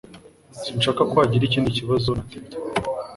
Sinshaka ko hagira ikindi kibazo na Teta